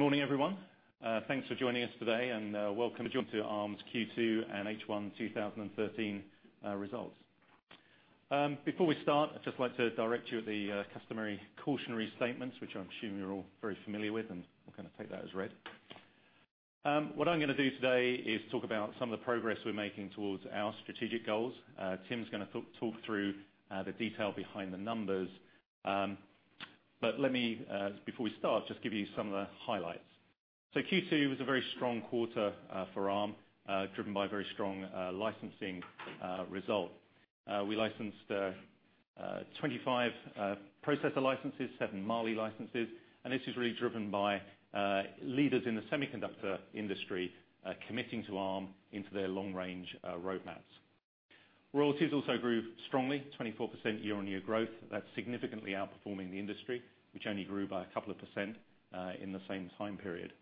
Good morning, everyone. Thanks for joining us today, and welcome to Arm's Q2 and H1 2013 results. Before we start, I'd just like to direct you at the customary cautionary statements, which I'm assuming you're all very familiar with, and we're going to take that as read. What I'm going to do today is talk about some of the progress we're making towards our strategic goals. Tim's going to talk through the detail behind the numbers. Let me, before we start, just give you some of the highlights. Q2 was a very strong quarter for Arm, driven by very strong licensing result. We licensed 25 processor licenses, seven Mali licenses, and this is really driven by leaders in the semiconductor industry, committing to Arm into their long range roadmaps. Royalties also grew strongly, 24% year-over-year growth. That's significantly outperforming the industry, which only grew by a couple of percent, in the same time period.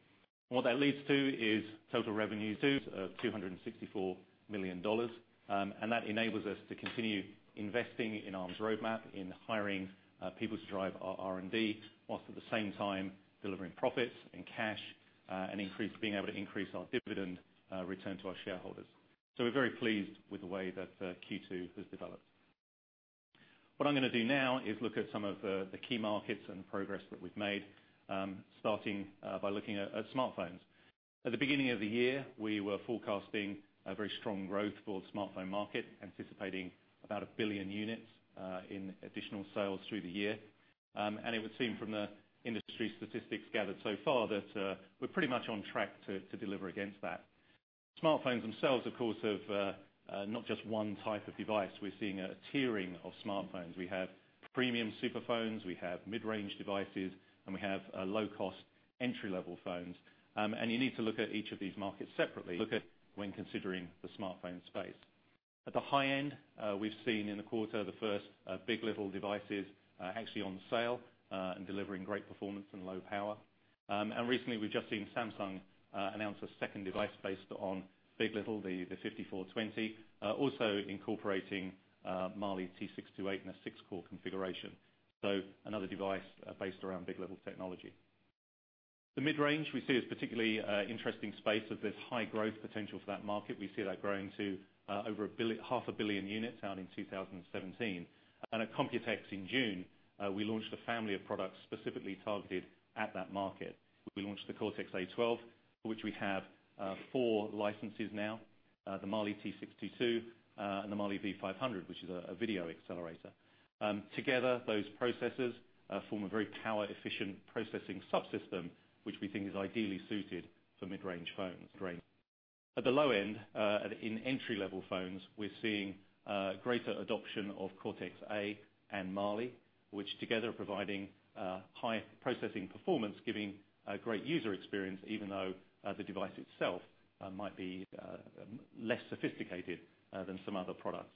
What that leads to is total revenue of $264 million. That enables us to continue investing in Arm's roadmap in hiring people to drive our R&D, whilst at the same time delivering profits and cash, and being able to increase our dividend return to our shareholders. We're very pleased with the way that Q2 has developed. What I'm going to do now is look at some of the key markets and the progress that we've made, starting by looking at smartphones. At the beginning of the year, we were forecasting a very strong growth for the smartphone market, anticipating about 1 billion units, in additional sales through the year. It would seem from the industry statistics gathered so far that we're pretty much on track to deliver against that. Smartphones themselves, of course, have not just one type of device. We're seeing a tiering of smartphones. We have premium super phones, we have mid-range devices, and we have low-cost entry-level phones. You need to look at each of these markets separately when considering the smartphone space. At the high end, we've seen in the quarter the first big. LITTLE devices actually on sale, and delivering great performance and low power. Recently, we've just seen Samsung announce a second device based on big. LITTLE, the Exynos 5420, also incorporating Mali-T628 in a 6-core configuration. Another device based around big. LITTLE technology. The mid-range we see as a particularly interesting space as there's high growth potential for that market. We see that growing to over half a billion units out in 2017. At Computex in June, we launched a family of products specifically targeted at that market. We launched the Cortex-A12, for which we have four licenses now. The Mali-T622 and the Mali-V500, which is a video accelerator. Together, those processors form a very power-efficient processing subsystem, which we think is ideally suited for mid-range phones. At the low end, in entry-level phones, we're seeing greater adoption of Cortex-A and Mali, which together are providing high processing performance, giving a great user experience, even though the device itself might be less sophisticated than some other products.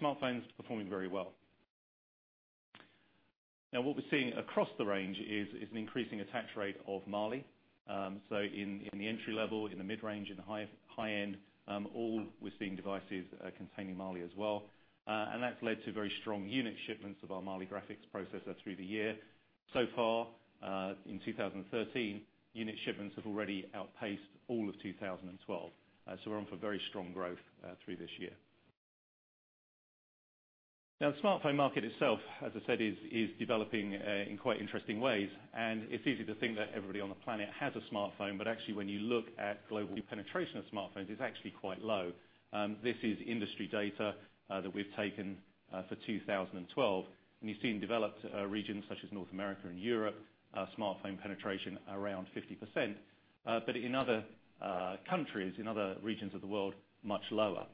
Smartphones performing very well. Now, what we're seeing across the range is an increasing attach rate of Mali. In the entry level, in the mid-range, in the high end, all we're seeing devices containing Mali as well. That's led to very strong unit shipments of our Mali graphics processor through the year. Far, in 2013, unit shipments have already outpaced all of 2012. We're on for very strong growth, through this year. The smartphone market itself, as I said, is developing in quite interesting ways. It's easy to think that everybody on the planet has a smartphone, but actually, when you look at global penetration of smartphones, it's actually quite low. This is industry data that we've taken for 2012. You see in developed regions such as North America and Europe, smartphone penetration around 50%. In other countries, in other regions of the world, much lower.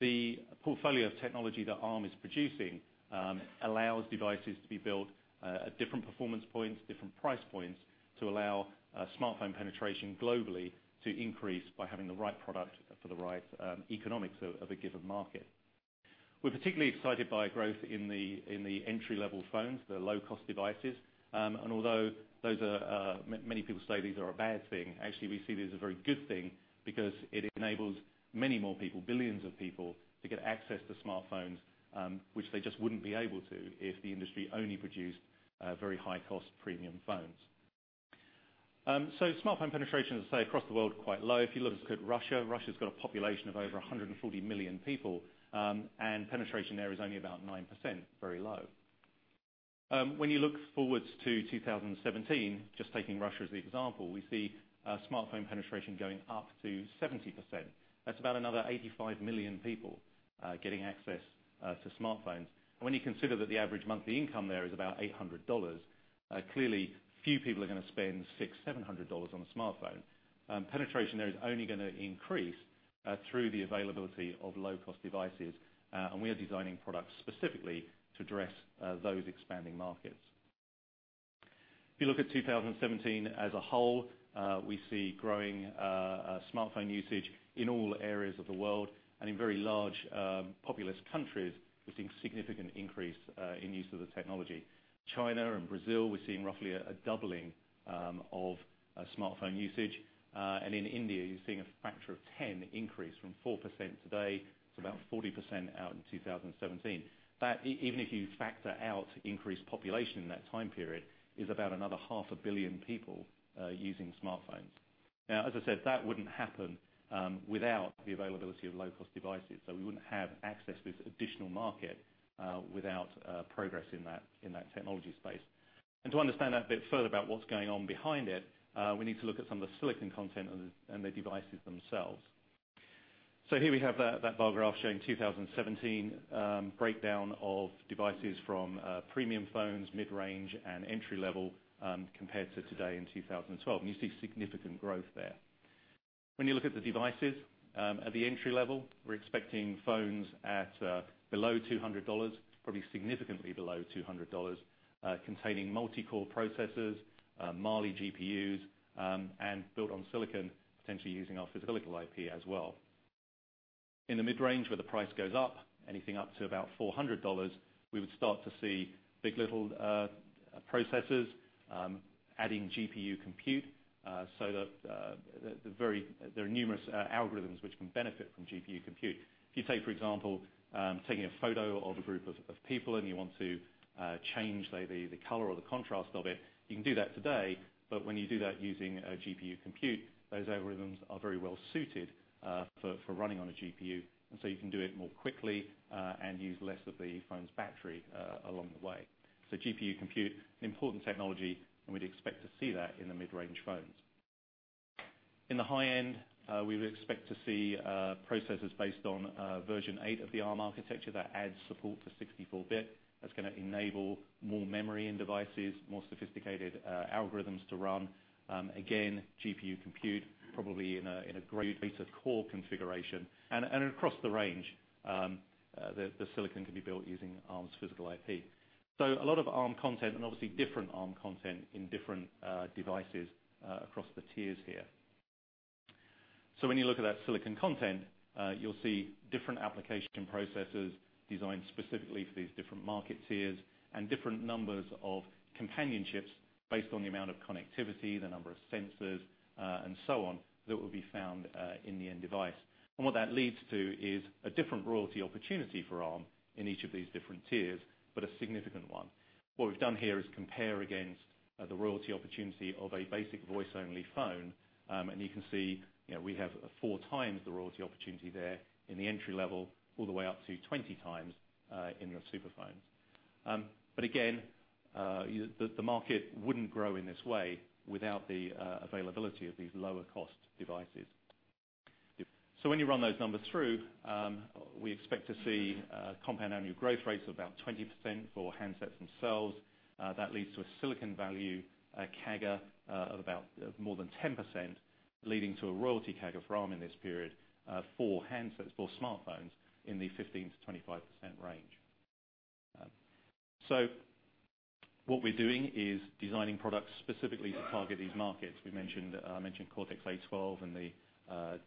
The portfolio of technology that Arm is producing allows devices to be built at different performance points, different price points, to allow smartphone penetration globally to increase by having the right product for the right economics of a given market. We're particularly excited by growth in the entry-level phones, the low-cost devices. Although many people say these are a bad thing, actually, we see these as a very good thing because it enables many more people, billions of people, to get access to smartphones, which they just wouldn't be able to if the industry only produced very high-cost premium phones. Smartphone penetration, as I say, across the world, quite low. If you look at Russia's got a population of over 140 million people, and penetration there is only about 9%, very low. When you look forwards to 2017, just taking Russia as the example, we see smartphone penetration going up to 70%. That's about another 85 million people getting access to smartphones. When you consider that the average monthly income there is about $800, clearly, few people are going to spend $600, $700 on a smartphone. Penetration there is only going to increase through the availability of low-cost devices, we are designing products specifically to address those expanding markets. If you look at 2017 as a whole, we see growing smartphone usage in all areas of the world. In very large populous countries, we're seeing significant increase in use of the technology. China and Brazil, we're seeing roughly a doubling of smartphone usage. In India, you're seeing a factor of 10 increase from 4% today to about 40% out in 2017. Even if you factor out increased population in that time period, is about another half a billion people using smartphones. As I said, that wouldn't happen without the availability of low-cost devices. We wouldn't have access to this additional market without progress in that technology space. To understand that a bit further about what's going on behind it, we need to look at some of the silicon content and the devices themselves. Here we have that bar graph showing 2017 breakdown of devices from premium phones, mid-range, and entry-level, compared to today in 2012, you see significant growth there. When you look at the devices at the entry level, we're expecting phones at below $200, probably significantly below $200, containing multi-core processors, Mali GPUs, and built on silicon, potentially using our physical IP as well. In the mid-range, where the price goes up, anything up to about GBP 400, we would start to see big. LITTLE processors, adding GPU compute. There are numerous algorithms which can benefit from GPU compute. If you take, for example, taking a photo of a group of people and you want to change the color or the contrast of it. You can do that today, but when you do that using a GPU compute, those algorithms are very well suited for running on a GPU. You can do it more quickly and use less of the phone's battery along the way. GPU compute, important technology, and we'd expect to see that in the mid-range phones. In the high end, we would expect to see processors based on version eight of the Arm architecture that adds support for 64-bit. That's going to enable more memory in devices, more sophisticated algorithms to run. Again, GPU compute probably in a greater core configuration. Across the range, the silicon can be built using Arm's physical IP. A lot of Arm content and obviously different Arm content in different devices across the tiers here. When you look at that silicon content, you'll see different application processors designed specifically for these different market tiers and different numbers of companionships based on the amount of connectivity, the number of sensors, and so on, that will be found in the end device. What that leads to is a different royalty opportunity for Arm in each of these different tiers, but a significant one. What we've done here is compare against the royalty opportunity of a basic voice-only phone. You can see we have 4 times the royalty opportunity there in the entry level all the way up to 20 times in your super phones. Again, the market wouldn't grow in this way without the availability of these lower cost devices. When you run those numbers through, we expect to see compound annual growth rates of about 20% for handsets themselves. That leads to a silicon value, a CAGR, of about more than 10%, leading to a royalty CAGR for Arm in this period for handsets or smartphones in the 15%-25% range. What we're doing is designing products specifically to target these markets. I mentioned Cortex-A12 and the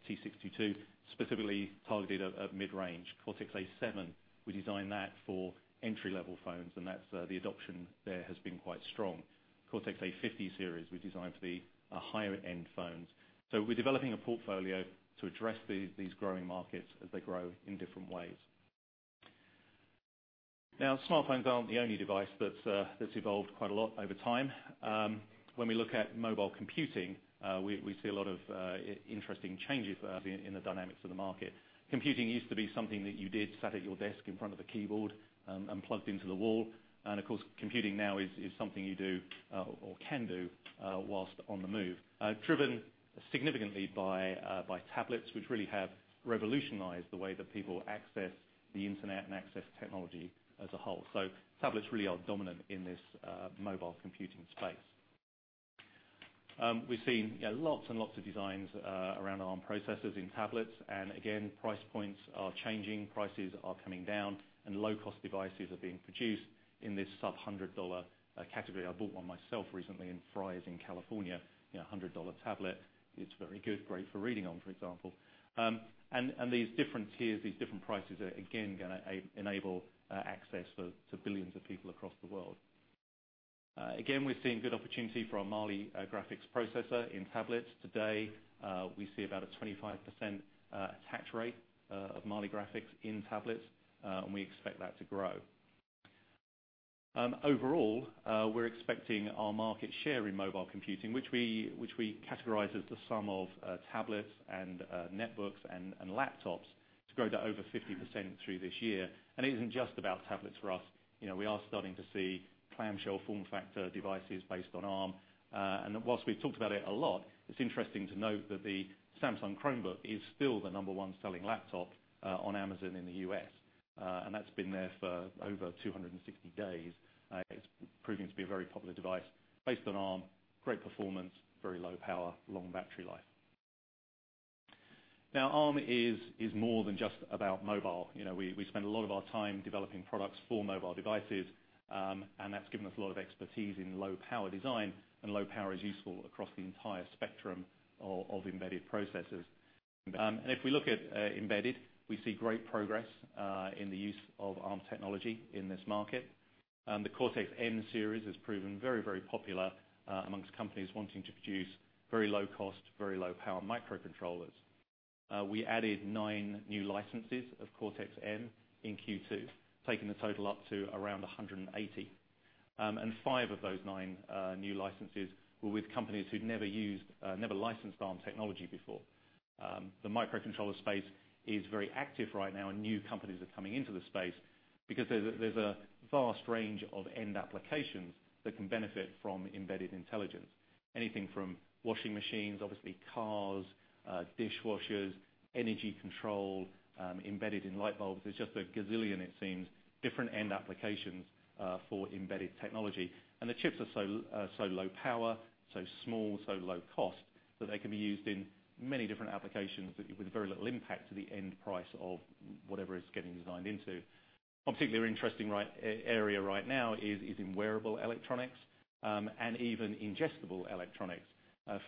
T62 specifically targeted at mid-range. Cortex-A7, we designed that for entry-level phones, and the adoption there has been quite strong. Cortex-A50 series we designed for the higher-end phones. We're developing a portfolio to address these growing markets as they grow in different ways. Now, smartphones aren't the only device that's evolved quite a lot over time. When we look at mobile computing, we see a lot of interesting changes in the dynamics of the market. Computing used to be something that you did sat at your desk in front of a keyboard and plugged into the wall. Of course, computing now is something you do or can do whilst on the move. Driven significantly by tablets, which really have revolutionized the way that people access the internet and access technology as a whole. Tablets really are dominant in this mobile computing space. We've seen lots and lots of designs around Arm processors in tablets. Again, price points are changing, prices are coming down, and low-cost devices are being produced in this sub-GBP 100 category. I bought one myself recently in Fry's in California, $100 tablet. It's very good, great for reading on, for example. These different tiers, these different prices are again going to enable access to billions of people across the world. Again, we're seeing good opportunity for our Mali graphics processor in tablets. Today, we see about a 25% attach rate of Mali graphics in tablets, we expect that to grow. Overall, we're expecting our market share in mobile computing, which we categorize as the sum of tablets and netbooks and laptops, to grow to over 50% through this year. It isn't just about tablets for us. We are starting to see clamshell form factor devices based on Arm. Whilst we've talked about it a lot, it's interesting to note that the Samsung Chromebook is still the number one selling laptop on Amazon in the U.S., that's been there for over 260 days. It's proving to be a very popular device based on Arm, great performance, very low power, long battery life. Arm is more than just about mobile. We spend a lot of our time developing products for mobile devices, that's given us a lot of expertise in low power design, low power is useful across the entire spectrum of embedded processors. If we look at embedded, we see great progress in the use of Arm technology in this market. The Cortex-M series has proven very popular amongst companies wanting to produce very low cost, very low power microcontrollers. We added nine new licenses of Cortex-M in Q2, taking the total up to around 180. Five of those nine new licenses were with companies who'd never licensed Arm technology before. The microcontroller space is very active right now, new companies are coming into the space because there's a vast range of end applications that can benefit from embedded intelligence. Anything from washing machines, obviously cars, dishwashers, energy control, embedded in light bulbs. There's just a gazillion, it seems, different end applications for embedded technology. The chips are so low power, so small, so low cost, that they can be used in many different applications with very little impact to the end price of whatever it's getting designed into. A particularly interesting area right now is in wearable electronics, even ingestible electronics.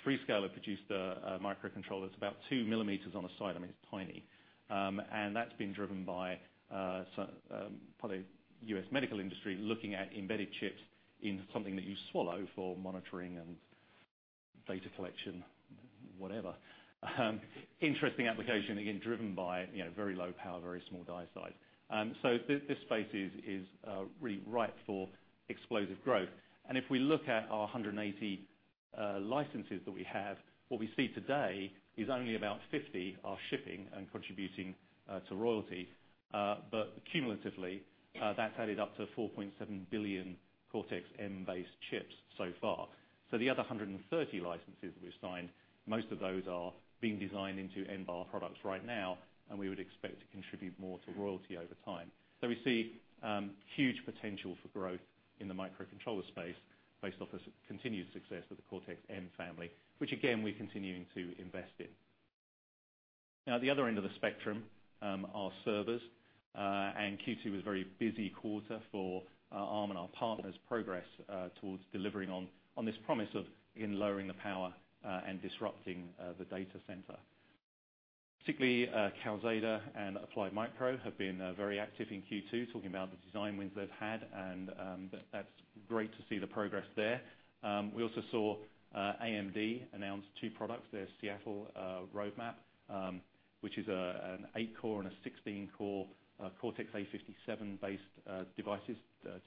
Freescale have produced a microcontroller that's about two millimeters on a side. It's tiny. That's been driven by probably U.S. medical industry looking at embedded chips in something that you swallow for monitoring and data collection, whatever. Interesting application, again, driven by very low power, very small die size. This space is really ripe for explosive growth. If we look at our 180 licenses that we have, what we see today is only about 50 are shipping and contributing to royalty. But cumulatively, that's added up to 4.7 billion Cortex-M based chips so far. The other 130 licenses we've signed, most of those are being designed into [end market] products right now, we would expect to contribute more to royalty over time. We see huge potential for growth in the microcontroller space based off the continued success of the Cortex-M family, which again, we're continuing to invest in. The other end of the spectrum, are servers. Q2 was a very busy quarter for Arm and our partners' progress towards delivering on this promise of again, lowering the power and disrupting the data center. Particularly, Calxeda and Applied Micro have been very active in Q2, talking about the design wins they've had and that's great to see the progress there. We also saw AMD announce two products, their Seattle roadmap which is an eight-core and a 16-core Cortex-A57 based devices,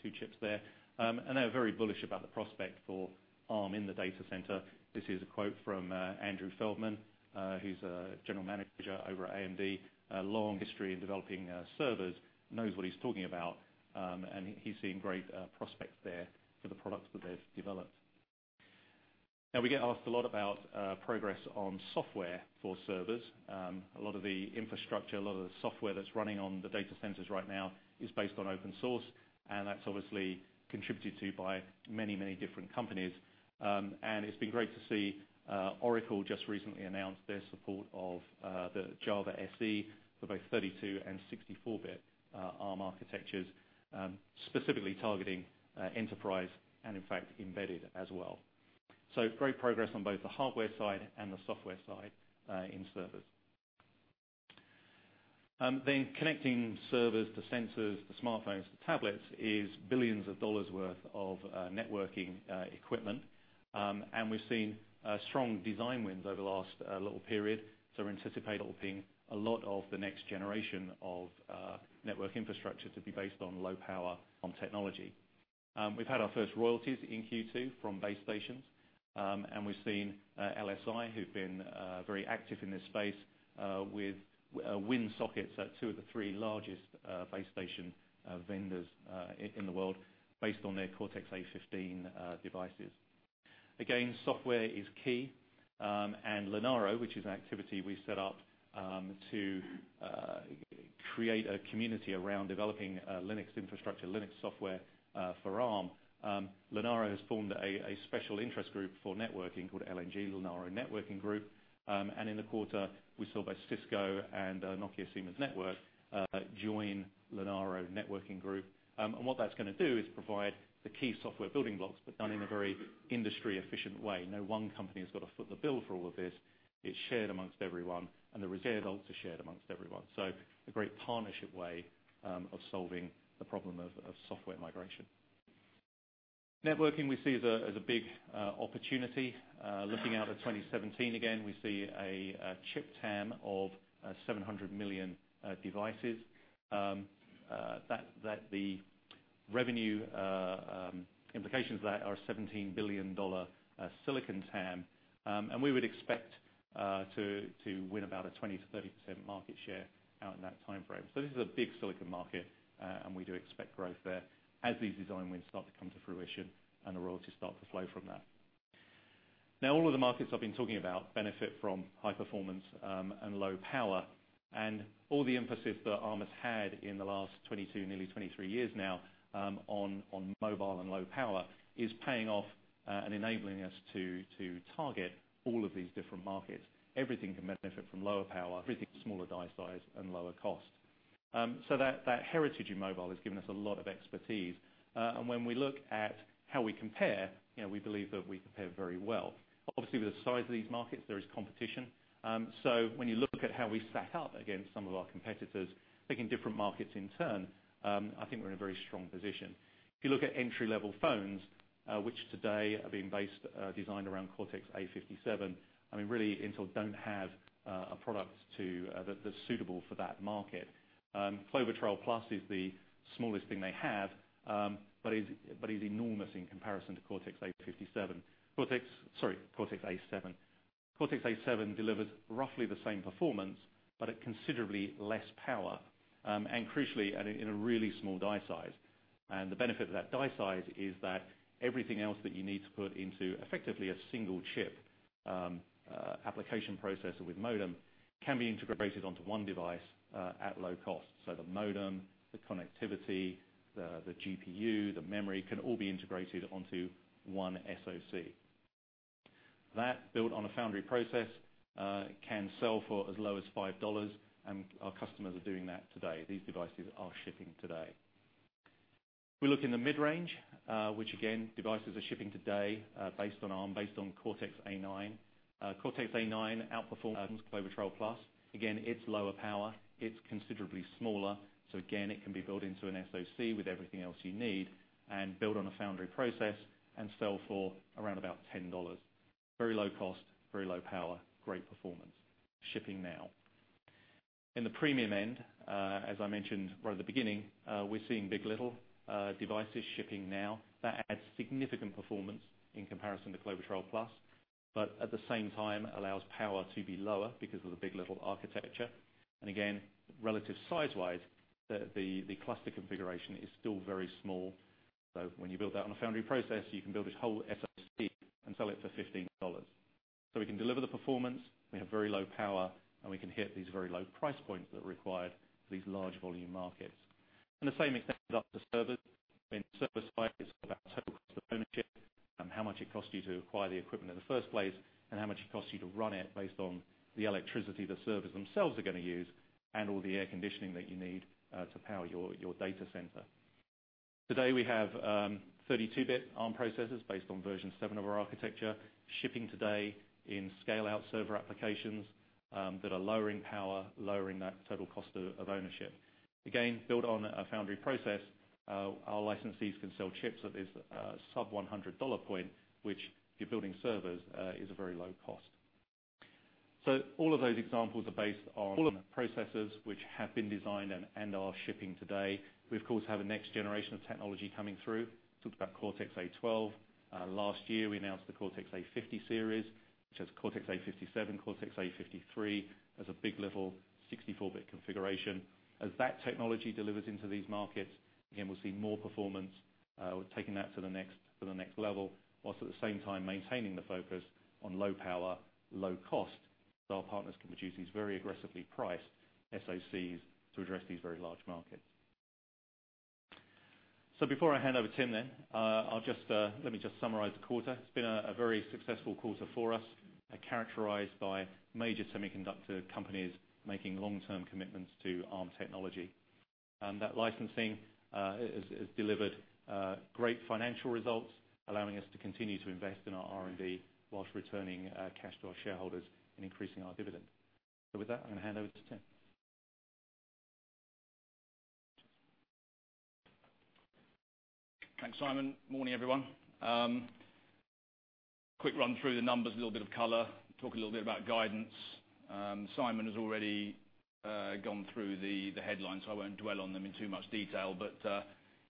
two chips there. They are very bullish about the prospect for Arm in the data center. This is a quote from Andrew Feldman, who's a general manager over at AMD. A long history in developing servers, knows what he's talking about. He's seeing great prospects there for the products that they've developed. We get asked a lot about progress on software for servers. A lot of the infrastructure, a lot of the software that's running on the data centers right now is based on open source, that's obviously contributed to by many different companies. It's been great to see Oracle just recently announce their support of the Java SE for both 32 and 64-bit Arm architectures, specifically targeting enterprise and in fact embedded as well. Great progress on both the hardware side and the software side in servers. Connecting servers to sensors, to smartphones, to tablets, is billions of GBP worth of networking equipment. We've seen strong design wins over the last little period. We anticipate opening a lot of the next generation of network infrastructure to be based on low power on technology. We've had our first royalties in Q2 from base stations. We've seen LSI, who've been very active in this space, with win sockets at two of the three largest base station vendors in the world based on their Cortex-A15 devices. Again, software is key. Linaro, which is an activity we set up to create a community around developing Linux infrastructure, Linux software for Arm. Linaro has formed a special interest group for networking called LNG, Linaro Networking Group. In the quarter, we saw both Cisco and Nokia Siemens Network join Linaro Networking Group. What that's going to do is provide the key software building blocks, but done in a very industry efficient way. No one company has got to foot the bill for all of this. It's shared amongst everyone, and the results are shared amongst everyone. A great partnership way of solving the problem of software migration. Networking we see as a big opportunity. Looking out at 2017 again, we see a chip TAM of 700 million devices. The revenue implications of that are a GBP 17 billion silicon TAM. We would expect to win about a 20%-30% market share out in that time frame. This is a big silicon market, we do expect growth there as these design wins start to come to fruition and the royalties start to flow from that. All of the markets I've been talking about benefit from high performance and low power. All the emphasis that Arm has had in the last 22, nearly 23 years now, on mobile and low power is paying off and enabling us to target all of these different markets. Everything can benefit from lower power, everything smaller die size, and lower cost. That heritage in mobile has given us a lot of expertise. When we look at how we compare, we believe that we compare very well. Obviously, with the size of these markets, there is competition. When you look at how we stack up against some of our competitors, picking different markets in turn, I think we're in a very strong position. If you look at entry-level phones which today are being based, designed around Cortex-A57, really Intel don't have a product that's suitable for that market. Clover Trail+ is the smallest thing they have, but is enormous in comparison to Cortex-A57. Sorry, Cortex-A7. Cortex-A7 delivers roughly the same performance, but at considerably less power, and crucially, in a really small die size. The benefit of that die size is that everything else that you need to put into effectively a single chip application processor with modem can be integrated onto one device at low cost. The modem, the connectivity, the GPU, the memory can all be integrated onto one SoC. That, built on a foundry process, can sell for as low as GBP 5, and our customers are doing that today. These devices are shipping today. If we look in the mid-range, which again, devices are shipping today based on Arm, based on Cortex-A9. Cortex-A9 outperforms Clover Trail+. Again, it's lower power, it's considerably smaller. Again, it can be built into an SoC with everything else you need, and built on a foundry process, and sell for around about GBP 10. Very low cost, very low power, great performance. Shipping now. In the premium end, as I mentioned right at the beginning, we're seeing big. LITTLE devices shipping now. That adds significant performance in comparison to Clover Trail+, but at the same time allows power to be lower because of the big. LITTLE architecture. Again, relative size-wise, the cluster configuration is still very small. When you build that on a foundry process, you can build this whole SoC and sell it for GBP 15. We can deliver the performance, we have very low power, and we can hit these very low price points that are required for these large volume markets. The same extends up to servers. In server size, it's about total cost of ownership, and how much it costs you to acquire the equipment in the first place, and how much it costs you to run it based on the electricity the servers themselves are going to use, and all the air conditioning that you need to power your data center. Today we have 32-bit Arm processors based on version seven of our architecture, shipping today in scale-out server applications that are lowering power, lowering that total cost of ownership. Again, built on a foundry process, our licensees can sell chips at this sub-GBP 100 point, which if you're building servers, is a very low cost. All of those examples are based on processors which have been designed and are shipping today. We of course have a next generation of technology coming through. Talked about Cortex-A12. Last year we announced the Cortex-A50 series, which has Cortex-A57, Cortex-A53. That's a big. LITTLE 64-bit configuration. As that technology delivers into these markets, again, we'll see more performance. We're taking that to the next level, whilst at the same time maintaining the focus on low power, low cost so our partners can produce these very aggressively priced SoCs to address these very large markets. Before I hand over to Tim, let me just summarize the quarter. It's been a very successful quarter for us, characterized by major semiconductor companies making long-term commitments to Arm technology. That licensing has delivered great financial results, allowing us to continue to invest in our R&D while returning cash to our shareholders and increasing our dividend. With that, I'm going to hand over to Tim. Thanks, Simon. Morning, everyone. Quick run through the numbers, a little bit of color, talk a little bit about guidance. Simon has already gone through the headlines, I won't dwell on them in too much detail.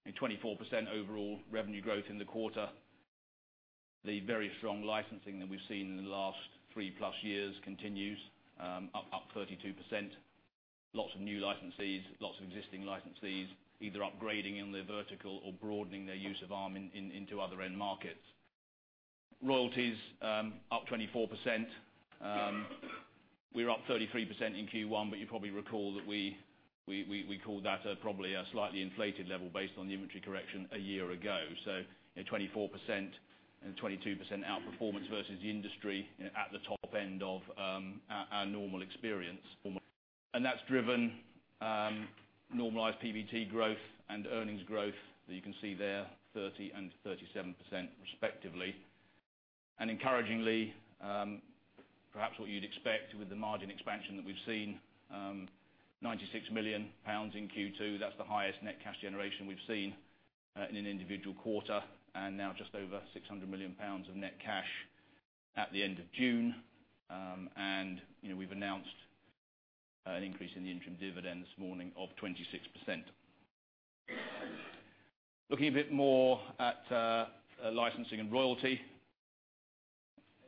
A 24% overall revenue growth in the quarter. The very strong licensing that we've seen in the last three-plus years continues, up 32%. Lots of new licensees, lots of existing licensees, either upgrading in the vertical or broadening their use of Arm into other end markets. Royalties up 24%. We were up 33% in Q1, you probably recall that we called that probably a slightly inflated level based on the inventory correction a year ago. A 24% and 22% outperformance versus the industry at the top end of our normal experience. That's driven normalized PBT growth and earnings growth that you can see there, 30 and 37% respectively. Encouragingly, perhaps what you'd expect with the margin expansion that we've seen, 96 million pounds in Q2. That's the highest net cash generation we've seen in an individual quarter, and now just over 600 million pounds of net cash at the end of June. We've announced an increase in the interim dividend this morning of 26%. Looking a bit more at licensing and royalty.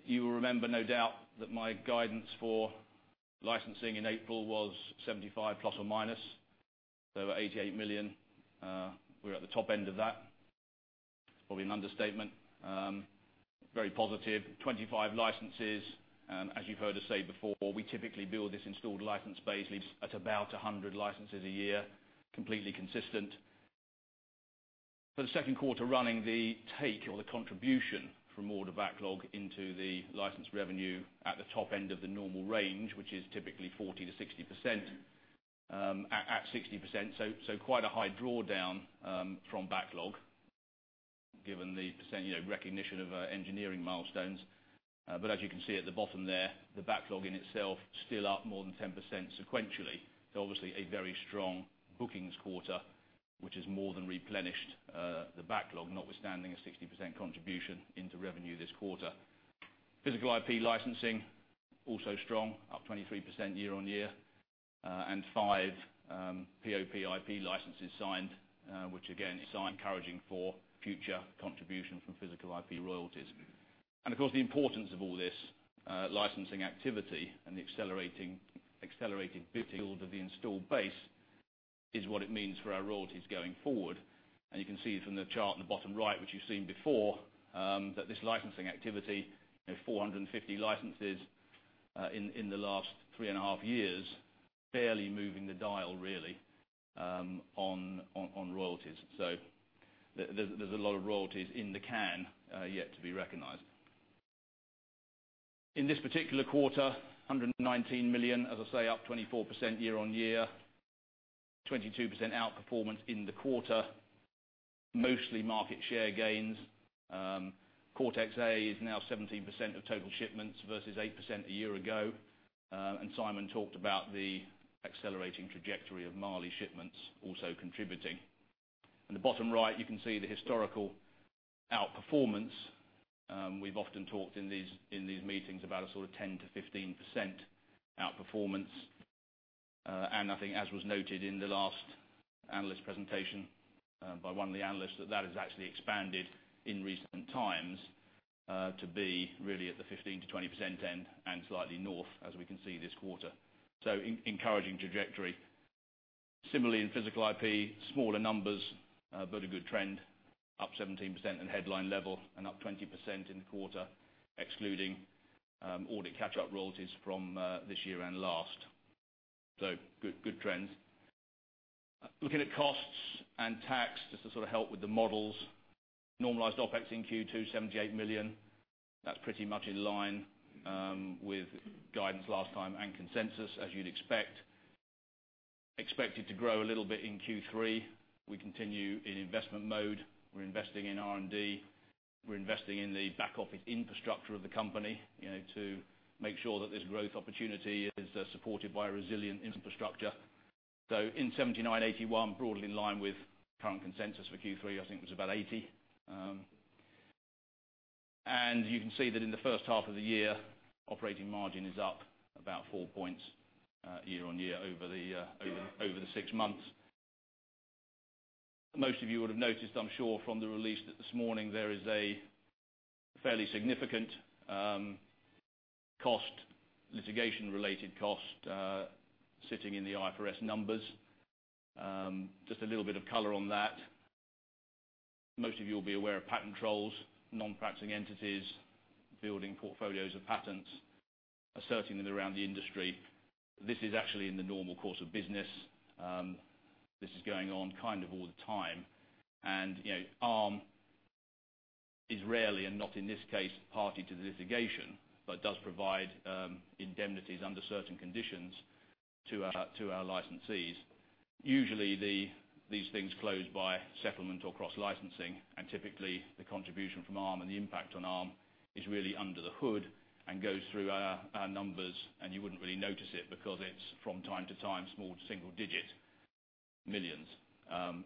You will remember, no doubt, that my guidance for licensing in April was 75 million ±. At 88 million, we were at the top end of that. It's probably an understatement. Very positive. 25 licenses. As you've heard us say before, we typically build this installed license base at about 100 licenses a year. Completely consistent. For the second quarter running the take or the contribution from order backlog into the licensed revenue at the top end of the normal range, which is typically 40%-60%, at 60%. Quite a high drawdown from backlog, given the recognition of engineering milestones. As you can see at the bottom there, the backlog in itself still up more than 10% sequentially. Obviously a very strong bookings quarter, which has more than replenished the backlog, notwithstanding a 60% contribution into revenue this quarter. Physical IP licensing, also strong, up 23% year-over-year. Five POP IP licenses signed, which again is encouraging for future contribution from physical IP royalties. Of course, the importance of all this licensing activity and the accelerated build of the installed base is what it means for our royalties going forward. You can see from the chart in the bottom right, which you've seen before, that this licensing activity, 450 licenses in the last 3 and a half years, barely moving the dial really on royalties. There's a lot of royalties in the can yet to be recognized. In this particular quarter, 119 million, as I say, up 24% year-on-year. 22% outperformance in the quarter. Mostly market share gains. Cortex-A is now 17% of total shipments versus 8% a year ago. Simon talked about the accelerating trajectory of Mali shipments also contributing. In the bottom right, you can see the historical outperformance. We've often talked in these meetings about a sort of 10%-15% outperformance. I think as was noted in the last analyst presentation by one of the analysts, that that has actually expanded in recent times to be really at the 15%-20% end and slightly north, as we can see this quarter. Encouraging trajectory. Similarly in physical IP, smaller numbers, but a good trend, up 17% in headline level and up 20% in the quarter, excluding audit catch-up royalties from this year and last. Good trends. Looking at costs and tax, just to help with the models. Normalized OpEx in Q2, 78 million. That's pretty much in line with guidance last time and consensus, as you'd expect. Expected to grow a little bit in Q3. We continue in investment mode. We're investing in R&D. We're investing in the back office infrastructure of the company to make sure that this growth opportunity is supported by a resilient infrastructure. In 79 million, 81 million, broadly in line with current consensus for Q3, I think it was about 80 million. You can see that in the first half of the year, operating margin is up about 4 points year-on-year over the six months. Most of you would have noticed, I'm sure, from the release this morning, there is a fairly significant litigation-related cost sitting in the IFRS numbers. Just a little bit of color on that. Most of you will be aware of patent trolls, non-practicing entities, building portfolios of patents, asserting them around the industry. This is actually in the normal course of business. This is going on kind of all the time. Arm is rarely, and not in this case, party to the litigation, but does provide indemnities under certain conditions to our licensees. Usually these things close by settlement or cross-licensing, and typically the contribution from Arm and the impact on Arm is really under the hood and goes through our numbers, and you wouldn't really notice it because it's from time to time small to single digit millions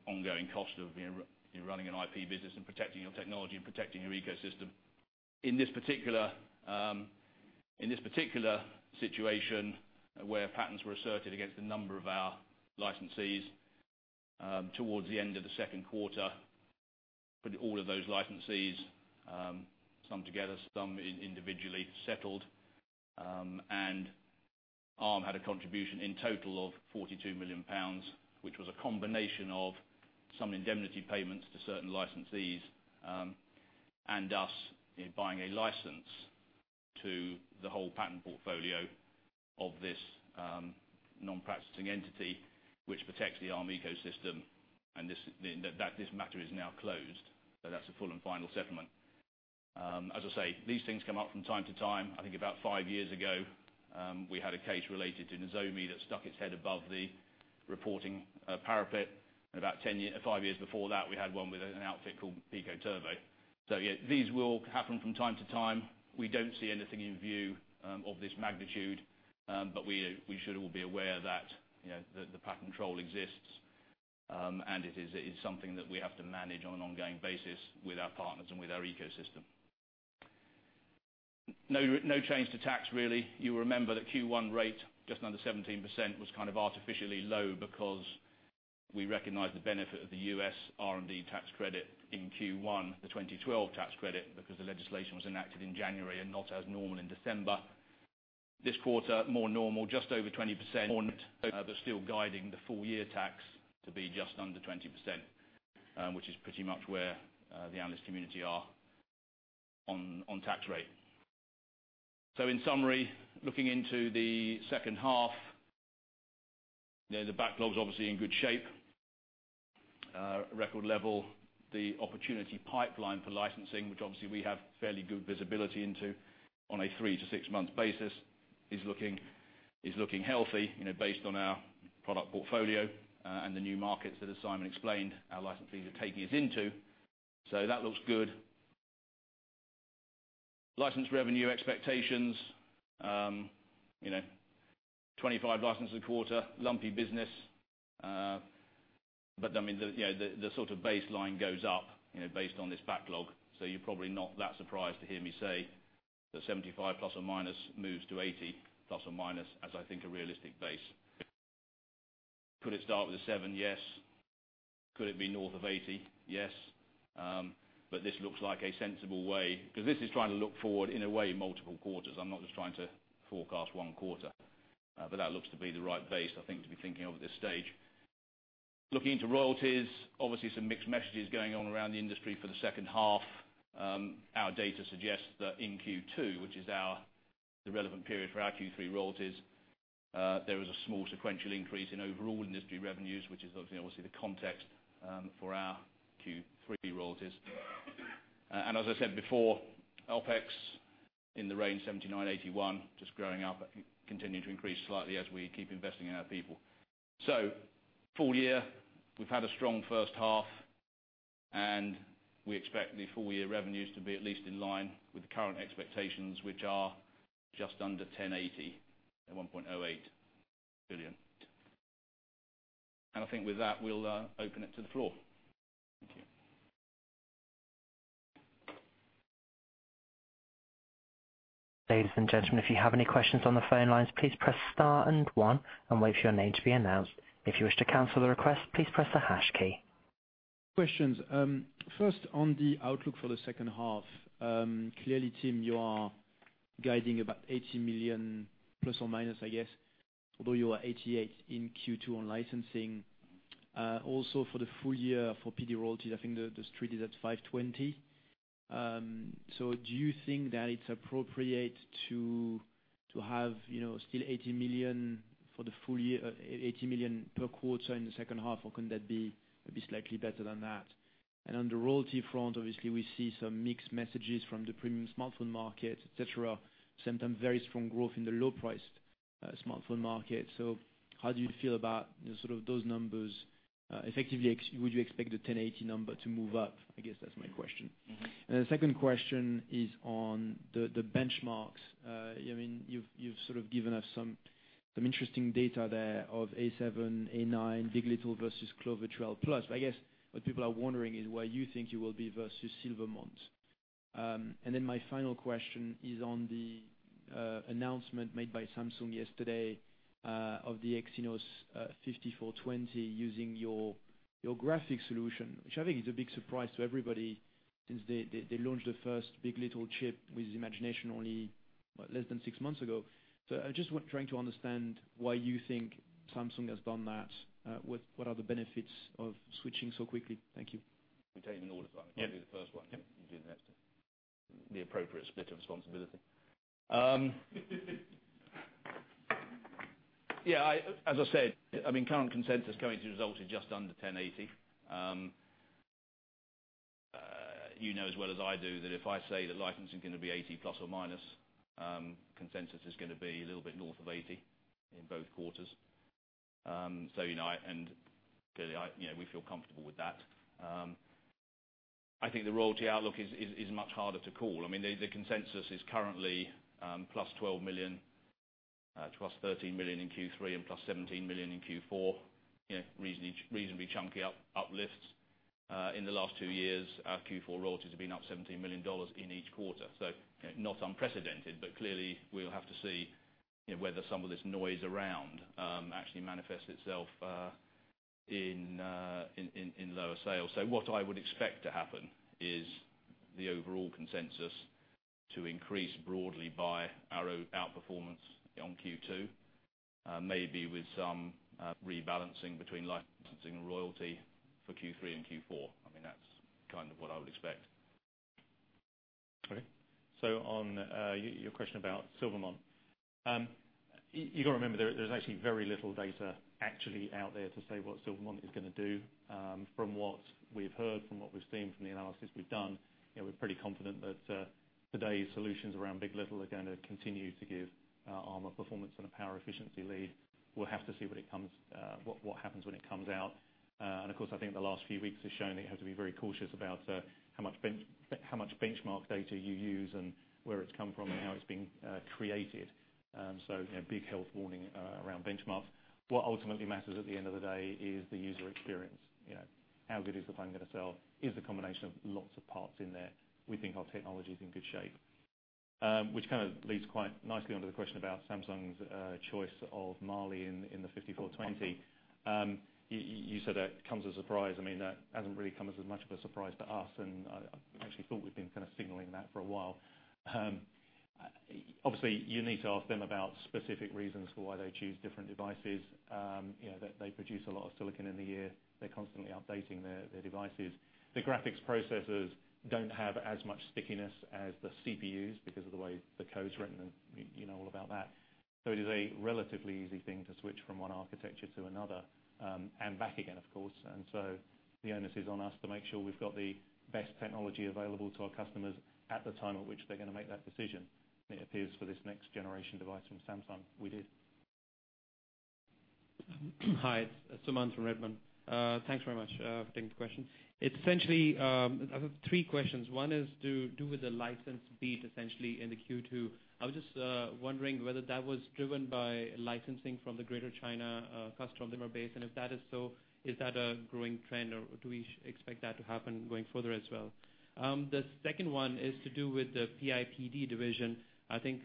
ongoing cost of running an IP business and protecting your technology and protecting your ecosystem. In this particular situation where patents were asserted against a number of our licensees towards the end of the second quarter, all of those licensees some together, some individually settled. Arm had a contribution in total of 42 million pounds, which was a combination of some indemnity payments to certain licensees and us buying a license to the whole patent portfolio of this non-practicing entity, which protects the Arm ecosystem. This matter is now closed. That's a full and final settlement. As I say, these things come up from time to time. I think about five years ago, we had a case related to Nazomi that stuck its head above the reporting parapet. About five years before that, we had one with an outfit called picoTurbo. These will happen from time to time. We don't see anything in view of this magnitude. We should all be aware that the patent troll exists. It is something that we have to manage on an ongoing basis with our partners and with our ecosystem. No change to tax really. You remember the Q1 rate, just under 17%, was kind of artificially low because we recognized the benefit of the U.S. R&D tax credit in Q1, the 2012 tax credit, because the legislation was enacted in January and not as normal in December. This quarter, more normal, just over 20% but still guiding the full year tax to be just under 20%, which is pretty much where the analyst community are on tax rate. In summary, looking into the second half The backlog's obviously in good shape, record level. The opportunity pipeline for licensing, which obviously we have fairly good visibility into on a three to six months basis, is looking healthy based on our product portfolio, and the new markets that, as Simon explained, our licensees are taking us into. That looks good. License revenue expectations, 25 licenses a quarter, lumpy business. The baseline goes up based on this backlog, so you're probably not that surprised to hear me say that 75 ± moves to 80 ± as I think a realistic base. Could it start with a seven? Yes. Could it be north of 80? Yes. This looks like a sensible way, because this is trying to look forward in a way, multiple quarters. I'm not just trying to forecast one quarter. That looks to be the right base, I think, to be thinking of at this stage. Looking into royalties, obviously some mixed messages going on around the industry for the second half. Our data suggests that in Q2, which is the relevant period for our Q3 royalties, there is a small sequential increase in overall industry revenues, which is obviously the context for our Q3 royalties. As I said before, OpEx in the range 79, 81 milliion, just growing up, continuing to increase slightly as we keep investing in our people. Full year, we've had a strong first half, we expect the full year revenues to be at least in line with the current expectations, which are just under 1,080 at 1.08 billion. I think with that, we'll open it to the floor. Thank you. Ladies and gentlemen, if you have any questions on the phone lines, please press star and one, and wait for your name to be announced. If you wish to cancel the request, please press the hash key. Questions. First, on the outlook for the second half. Clearly, Tim, you are guiding about 80 million plus or minus, I guess, although you are 88 million in Q2 on licensing. Also for the full year for PD royalties, I think the street is at 520 million. Do you think that it's appropriate to have still 80 million per quarter in the second half, or can that be slightly better than that? On the royalty front, obviously we see some mixed messages from the premium smartphone market, et cetera, sometimes very strong growth in the low priced smartphone market. How do you feel about those numbers? Effectively, would you expect the 1,080 million number to move up? I guess that's my question. The second question is on the benchmarks. You've given us some interesting data there of A7, A9, big. LITTLE versus Clover Trail+. I guess what people are wondering is where you think you will be versus Silvermont. My final question is on the announcement made by Samsung yesterday of the Exynos 5420 using your graphics solution, which I think is a big surprise to everybody since they launched the first big. LITTLE chip with Imagination only less than six months ago. I'm just trying to understand why you think Samsung has done that. What are the benefits of switching so quickly? Thank you. We take them in order. I'll do the first one. Yep. You do the next one. The appropriate split of responsibility. Yeah. As I said, current consensus going through the results is just under 1,080. You know as well as I do that if I say that licensing is going to be 80 plus or minus, consensus is going to be a little bit north of GBP 80 in both quarters. Clearly, we feel comfortable with that. I think the royalty outlook is much harder to call. The consensus is currently plus 12 million, plus 13 million in Q3, and plus 17 million in Q4. Reasonably chunky uplifts. In the last two years, our Q4 royalties have been up GBP 17 million in each quarter. Not unprecedented, but clearly we'll have to see whether some of this noise around actually manifests itself in lower sales. What I would expect to happen is the overall consensus to increase broadly by our outperformance on Q2, maybe with some rebalancing between licensing and royalty for Q3 and Q4. That's what I would expect. Okay. On your question about Silvermont. You got to remember, there's actually very little data actually out there to say what Silvermont is going to do. From what we've heard, from what we've seen, from the analysis we've done, we're pretty confident that today's solutions around big. LITTLE are going to continue to give Arm a performance and a power efficiency lead. We'll have to see what happens when it comes out. Of course, I think the last few weeks have shown that you have to be very cautious about how much benchmark data you use and where it's come from and how it's been created. A big health warning around benchmarks. What ultimately matters at the end of the day is the user experience. How good is the phone going to sell? It is the combination of lots of parts in there. We think our technology's in good shape. Which kind of leads quite nicely onto the question about Samsung's choice of Mali in the 5420. You said that it comes as a surprise. That hasn't really come as much of a surprise to us, I actually thought we'd been kind of signaling that for a while. Obviously, you need to ask them about specific reasons for why they choose different devices. They produce a lot of silicon in the year. They're constantly updating their devices. The graphics processors don't have as much stickiness as the CPUs because of the way the code's written. It is a relatively easy thing to switch from one architecture to another, and back again, of course. The onus is on us to make sure we've got the best technology available to our customers at the time at which they're going to make that decision. It appears for this next generation device from Samsung, we did. Hi, it's Suman from Redburn. Thanks very much for taking the question. It's essentially three questions. One is to do with the license beat essentially in the Q2. I was just wondering whether that was driven by licensing from the Greater China customer base. If that is so, is that a growing trend or do we expect that to happen going further as well? The second one is to do with the PIPD division. I think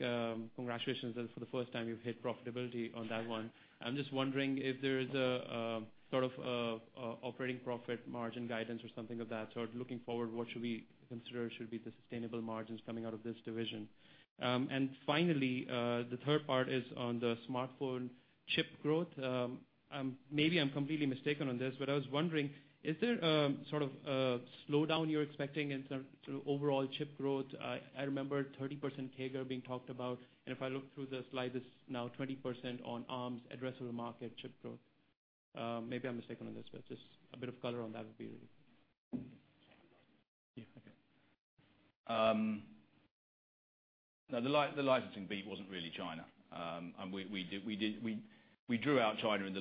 congratulations for the first time you've hit profitability on that one. I'm just wondering if there is a sort of operating profit margin guidance or something of that sort. Looking forward, what should we consider should be the sustainable margins coming out of this division? Finally, the third part is on the smartphone chip growth. Maybe I'm completely mistaken on this. I was wondering, is there a sort of slowdown you're expecting in terms of overall chip growth? I remember 30% CAGR being talked about. If I look through the slide, it's now 20% on Arm's addressable market chip growth. Maybe I'm mistaken on this. Just a bit of color on that would be really Yeah. Okay. No, the licensing beat wasn't really China. We drew out China in the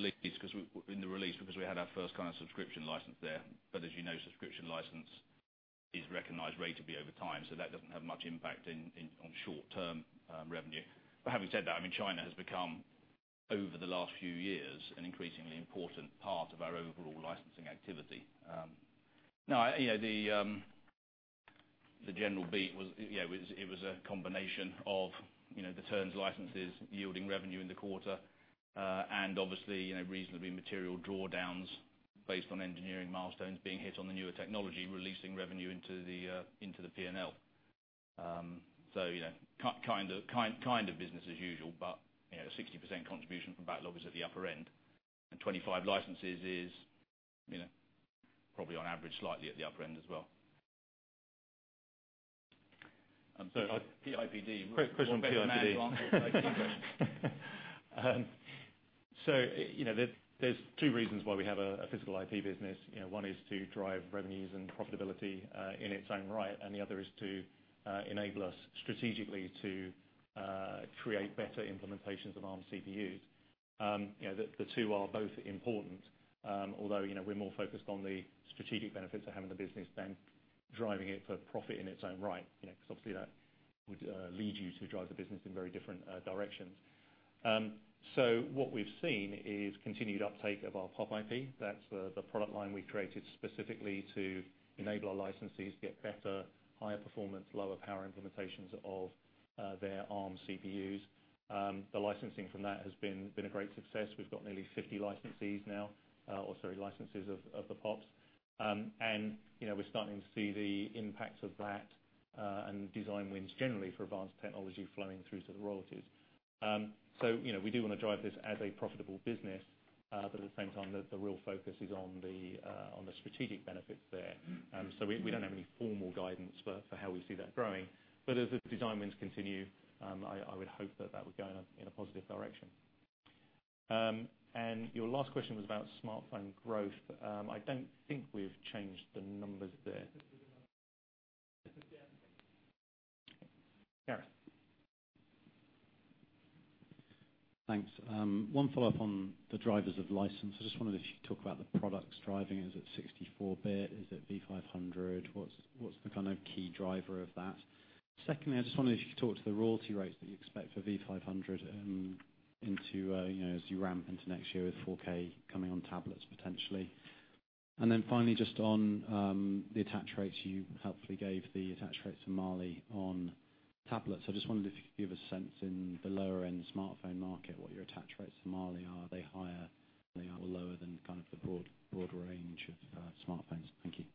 release because we had our first kind of subscription license there. As you know, subscription license is recognized ratably over time. That doesn't have much impact on short-term revenue. Having said that, China has become, over the last few years, an increasingly important part of our overall licensing activity. The general beat, it was a combination of the terms of licenses yielding revenue in the quarter. Obviously, reasonably material drawdowns based on engineering milestones being hit on the newer technology, releasing revenue into the P&L. Kind of business as usual. 60% contribution from backlogs at the upper end and 25 licenses is probably on average, slightly at the upper end as well. PIPD. Quick question on PIPD. There's two reasons why we have a physical IP business. One is to drive revenues and profitability in its own right, and the other is to enable us strategically to create better implementations of Arm CPUs. The two are both important, although we're more focused on the strategic benefits of having the business than driving it for profit in its own right. Because obviously, that would lead you to drive the business in very different directions. What we've seen is continued uptake of our POP IP. That's the product line we created specifically to enable our licensees to get better, higher performance, lower power implementations of their Arm CPUs. The licensing from that has been a great success. We've got nearly 50 licensees now, or sorry, licenses of the POPs. We're starting to see the impact of that, and design wins generally for advanced technology flowing through to the royalties. We do want to drive this as a profitable business. At the same time, the real focus is on the strategic benefits there. We don't have any formal guidance for how we see that growing. As the design wins continue, I would hope that that would go in a positive direction. Your last question was about smartphone growth. I don't think we've changed the numbers there. Gareth. Thanks. One follow-up on the drivers of license. I just wondered if you could talk about the products driving. Is it 64-bit? Is it Mali-V500? What's the kind of key driver of that? Secondly, I just wondered if you could talk to the royalty rates that you expect for Mali-V500 as you ramp into next year with 4K coming on tablets potentially. Finally, just on the attach rates, you helpfully gave the attach rates for Mali on tablets. I just wondered if you could give a sense in the lower-end smartphone market, what your attach rates for Mali are. Are they higher or lower than the broad range of smartphones? Thank you.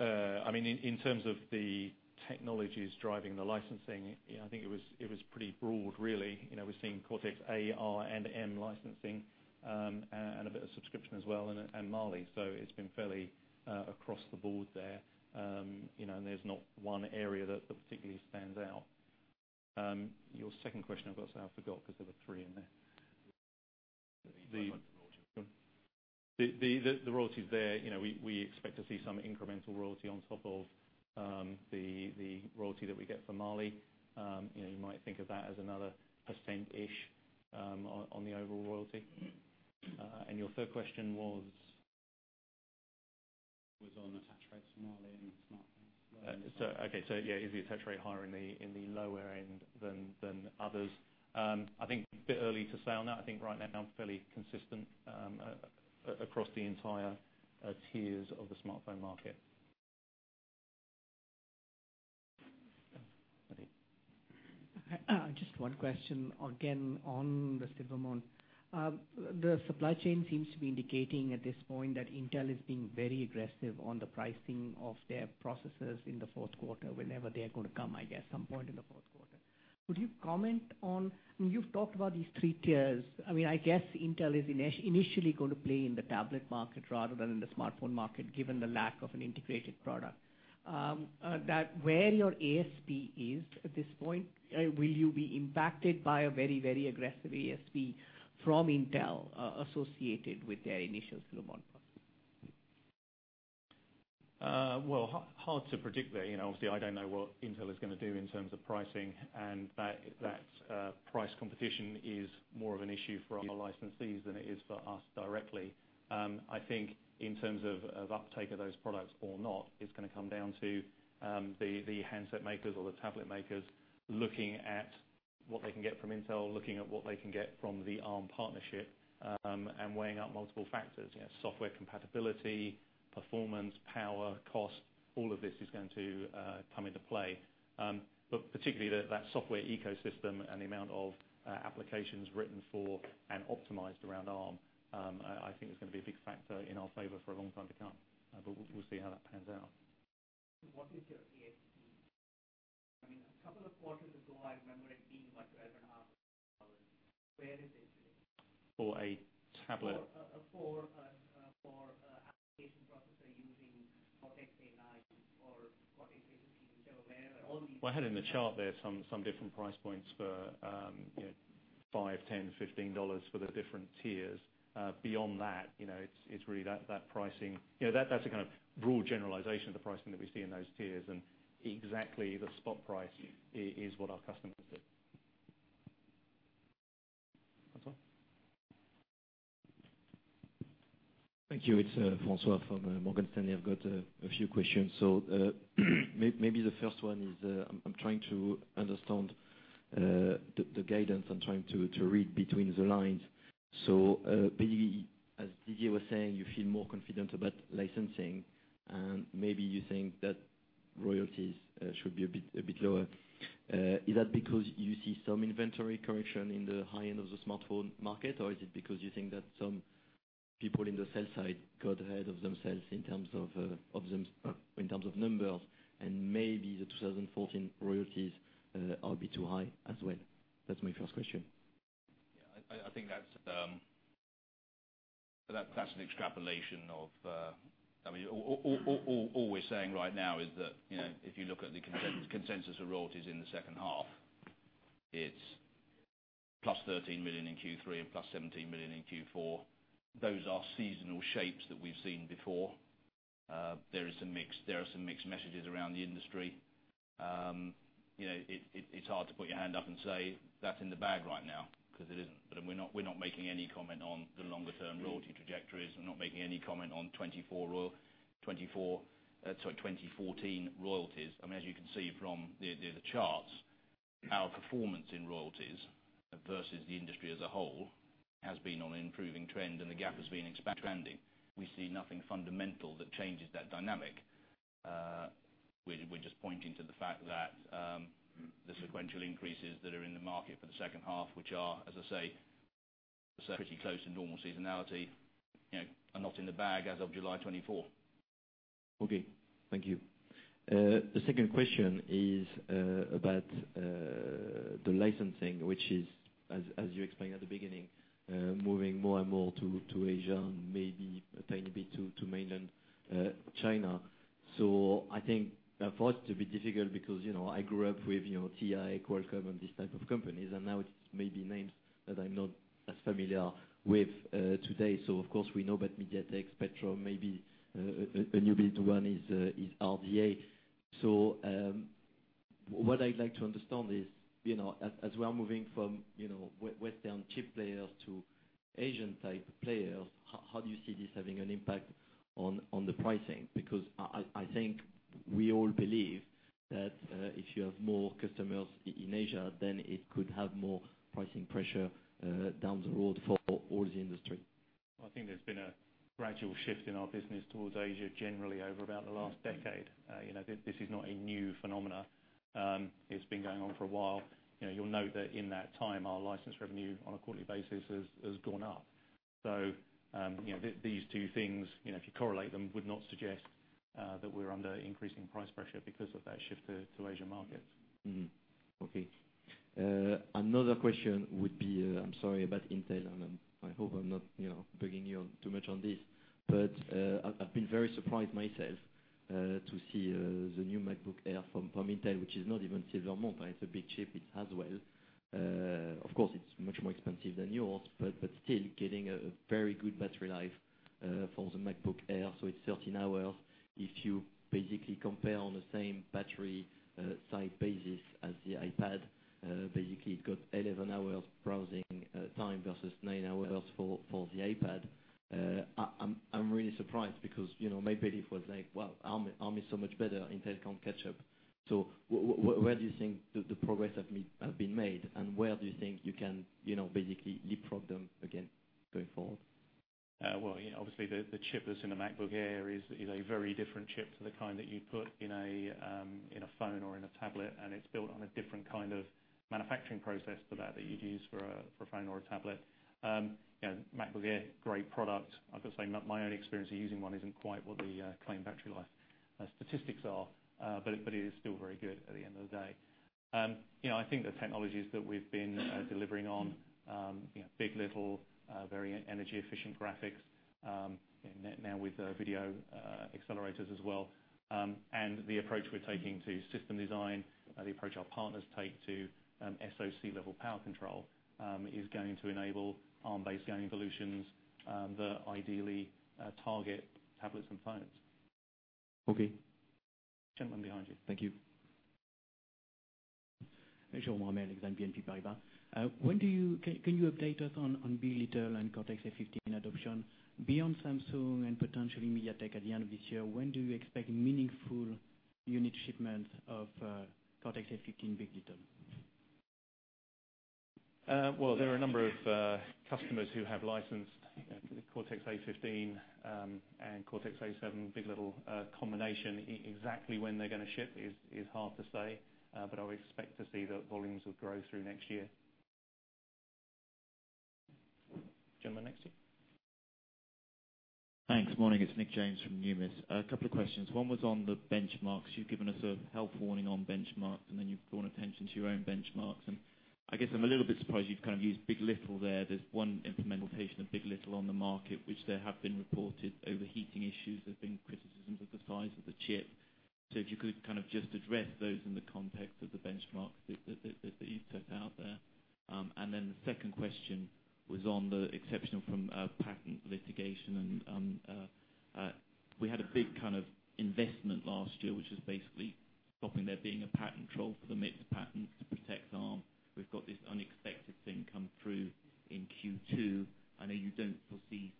In terms of the technologies driving the licensing, I think it was pretty broad, really. We're seeing Cortex-A, R, and M licensing, and a bit of subscription as well, and Mali. It's been fairly across the board there. There's not one area that particularly stands out. Your second question, I forgot because there were three in there. The royalty. The royalties there. We expect to see some incremental royalty on top of the royalty that we get for Mali. You might think of that as another percent-ish on the overall royalty. Your third question was? Was on attach rates for Mali in smartphones. Okay. Yeah, is the attach rate higher in the lower end than others? I think a bit early to say on that. I think right now fairly consistent across the entire tiers of the smartphone market. Pradeep. Just one question, again, on the Silvermont. The supply chain seems to be indicating at this point that Intel is being very aggressive on the pricing of their processors in the fourth quarter. Whenever they're going to come, I guess, some point in the fourth quarter. Would you comment on, you've talked about these 3 tiers. I guess Intel is initially going to play in the tablet market rather than in the smartphone market, given the lack of an integrated product. That where your ASP is at this point, will you be impacted by a very aggressive ASP from Intel associated with their initial Silvermont product? Well, hard to predict there. Obviously, I don't know what Intel is going to do in terms of pricing, and that price competition is more of an issue for our licensees than it is for us directly. I think in terms of uptake of those products or not, it's going to come down to the handset makers or the tablet makers looking at what they can get from Intel, looking at what they can get from the Arm partnership, and weighing out multiple factors. Software compatibility, performance, power, cost, all of this is going to come into play. Particularly that software ecosystem and the amount of applications written for and optimized around Arm, I think is going to be a big factor in our favor for a long time to come. We'll see how that pans out. What is your ASP? A couple of quarters ago, I remember it being like GBP 11.5. Where is it today? For a tablet? For an application processor using Cortex-A9 or Cortex-A15, wherever all these Well, I had in the chart there some different price points for 5, 10, GBP 15 for the different tiers. Beyond that's the kind of broad generalization of the pricing that we see in those tiers, and exactly the spot price is what our customers said. Francois? Thank you. It's Francois from Morgan Stanley. I've got a few questions. Maybe the first one is I'm trying to understand the guidance. I'm trying to read between the lines. Basically as Didier was saying, you feel more confident about licensing, and maybe you think that royalties should be a bit lower. Is that because you see some inventory correction in the high end of the smartphone market, or is it because you think that some people in the sell side got ahead of themselves in terms of numbers, and maybe the 2014 royalties are a bit too high as well? That's my first question. All we're saying right now is that, if you look at the consensus of royalties in the second half, it's plus 13 million in Q3 and plus 17 million in Q4. Those are seasonal shapes that we've seen before. There are some mixed messages around the industry. It's hard to put your hand up and say that's in the bag right now, because it isn't. We're not making any comment on the longer-term royalty trajectories. We're not making any comment on 2014 royalties. As you can see from the charts, our performance in royalties versus the industry as a whole has been on an improving trend, and the gap has been expanding. We see nothing fundamental that changes that dynamic. We're just pointing to the fact that the sequential increases that are in the market for the second half, which are, as I say, pretty close to normal seasonality are not in the bag as of July 24. Okay, thank you. The second question is about the licensing, which is, as you explained at the beginning, moving more and more to Asia and maybe a tiny bit to mainland China. I think for us to be difficult because, I grew up with TI, Qualcomm, and these type of companies, and now it's maybe names that I'm not as familiar with today. Of course, we know about MediaTek, Spreadtrum, maybe a new big one is RDA. What I'd like to understand is, as we are moving from Western chip players to Asian type players, how do you see this having an impact on the pricing? I think we all believe that if you have more customers in Asia, then it could have more pricing pressure down the road for all the industry. I think there's been a gradual shift in our business towards Asia generally over about the last decade. This is not a new phenomena. It's been going on for a while. You'll note that in that time, our license revenue on a quarterly basis has gone up. These two things, if you correlate them, would not suggest that we're under increasing price pressure because of that shift to Asia markets. Mm-hmm. Okay. Another question would be, I'm sorry, about Intel, and I hope I'm not bugging you too much on this, but I've been very surprised myself to see the new MacBook Air from Intel, which is not even Silvermont, it's a big chip as well. Of course, it's much more expensive than yours, but still getting a very good battery life for the MacBook Air. It's 13 hours. If you basically compare on the same battery size basis as the iPad, basically it got 11 hours browsing time versus nine hours for the iPad. I'm really surprised because my belief was like, well, Arm is so much better, Intel can't catch up. Where do you think the progress have been made, and where do you think you can basically leapfrog them again going forward? The chip that's in the MacBook Air is a very different chip to the kind that you put in a phone or in a tablet, and it's built on a different kind of manufacturing process to that you'd use for a phone or a tablet. MacBook Air, great product. I've got to say, my own experience of using one isn't quite what the claimed battery life statistics are, but it is still very good at the end of the day. I think the technologies that we've been delivering on, big. LITTLE, very energy efficient graphics, now with video accelerators as well. The approach we're taking to system design, the approach our partners take to SoC-level power control is going to enable Arm-based gaming solutions that ideally target tablets and phones. Okay. Gentleman behind you. Thank you. Jerome BNP Paribas. Can you update us on big. LITTLE and Cortex-A15 adoption beyond Samsung and potentially MediaTek at the end of this year? When do you expect meaningful unit shipments of Cortex-A15 big. LITTLE? There are a number of customers who have licensed the Cortex-A15 and Cortex-A7 big. LITTLE combination. Exactly when they're going to ship is hard to say, but I would expect to see that volumes will grow through next year. Gentleman next to you. Thanks. Morning. It's Nick James from Numis. A couple of questions. One was on the benchmarks. You've given us a health warning on benchmarks, then you've drawn attention to your own benchmarks. I guess I'm a little bit surprised you've used big. LITTLE there. There's one implementation of big. LITTLE on the market, which there have been reported overheating issues. There have been criticisms of the size of the chip. If you could just address those in the context of the benchmarks that you set out there. Then the second question was on the exceptional from patent litigation, we had a big investment last year, which was basically stopping there being a patent troll for the MIT's patent to protect Arm. We've got this unexpected thing come through in Q2. I know you don't foresee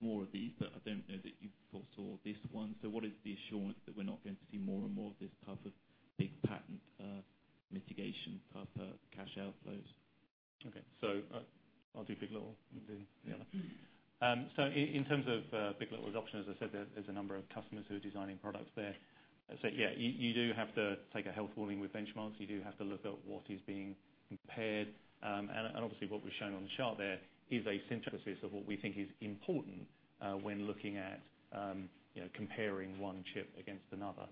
more of these, I don't know that you foresaw this one. What is the assurance that we're not going to see more and more of this type of big patent litigation type of cash outflows? Okay. I'll do big. LITTLE and then the other. In terms of big. LITTLE adoption, as I said, there's a number of customers who are designing products there. Yeah, you do have to take a health warning with benchmarks. You do have to look at what is being compared. Obviously, what we've shown on the chart there is a synthesis of what we think is important when looking at comparing one chip against another.